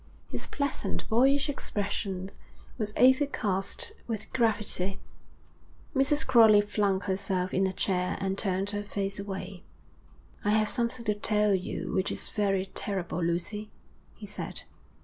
His pleasant, boyish expression was overcast with gravity; Mrs. Crowley flung herself in a chair and turned her face away. 'I have something to tell you which is very terrible, Lucy,' he said.